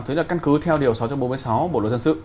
thứ nhất là căn cứ theo điều sáu trăm bốn mươi sáu bộ luật dân sự